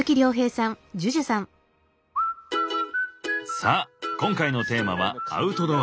さあ今回のテーマはアウトドア。